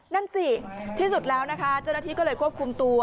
นั่นสิที่สุดแล้วนะคะเจ้าหน้าที่ก็เลยควบคุมตัว